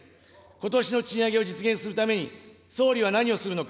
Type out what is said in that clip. ことしの賃上げを実現するために、総理は何をするのか。